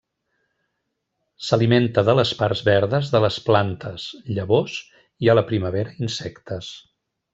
S'alimenta de les parts verdes de les plantes, llavors i, a la primavera, insectes.